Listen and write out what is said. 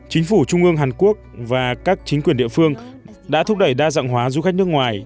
chính phủ trung ương hàn quốc và các chính quyền địa phương đã thúc đẩy đa dạng hóa du khách nước ngoài